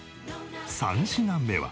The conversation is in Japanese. ３品目は。